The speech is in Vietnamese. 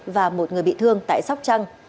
và một người bị thương tại sóc trăng